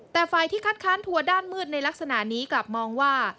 แต่ฝ่ายที่คัดค้านทัวร์ด้านมืดในลักษณะนี้กลับมองว่า